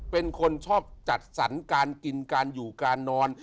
เป็นคนชอบจัดสรรการกินการอยู่การนอน